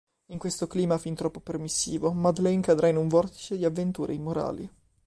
In questo clima fin troppo permissivo Madeleine cadrà in un vortice di avventure immorali.